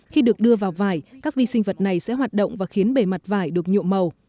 khi được đưa vào vải các vi sinh vật này sẽ hoạt động và khiến bề mặt vải được nhuộm màu